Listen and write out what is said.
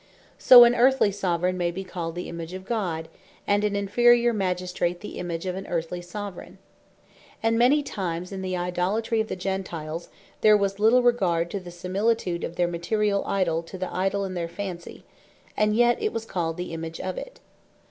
So an earthly Soveraign may be called the Image of God: And an inferiour Magistrate the Image of an earthly Soveraign. And many times in the Idolatry of the Gentiles there was little regard to the similitude of their Materiall Idoll to the Idol in their fancy, and yet it was called the Image of it.